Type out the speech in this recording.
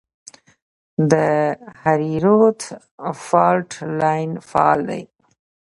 د هریرود فالټ لاین فعال دی